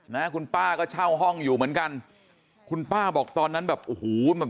นะคุณป้าก็เช่าห้องอยู่เหมือนกันคุณป้าบอกตอนนั้นแบบโอ้โหแบบ